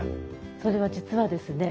それは実はですね